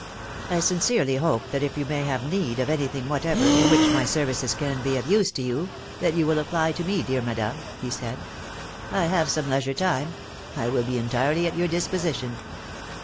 I sincerely hope that if you may have need of any thing whatever, in which my services can be of use to you, that you will apply to me, dear Madame,'^ he said ; I have some leisure time ; I will be entirely at your disposition.